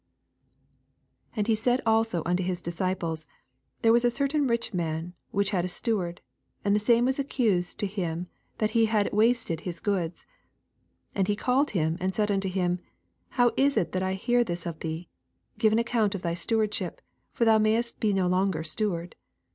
1 And he said also unto his disci I»le8, There was a certain rich man, which had a steward : and the same was accused unto him that he had wasted his goods. 2 And he called him, and said unto him. How is it that I hear this of thee ? give an account of thy steward ship ; for thou mayest be no longer steward.